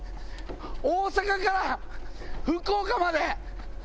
大阪から福岡まで！